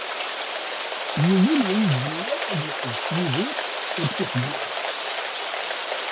Yiwen ur izemmer ad d-iḥbes Yidir ur tt-ixeddem ara.